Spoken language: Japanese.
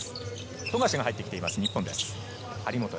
富樫が入ってきています、日本です。